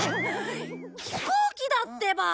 飛行機だってば！